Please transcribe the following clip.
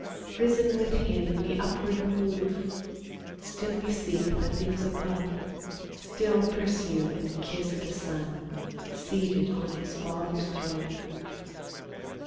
Risen with Him, we upward move ; Still we seek the things above, Still pursue and kiss the Son, Seated on His Father's throne.